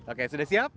oke sudah siap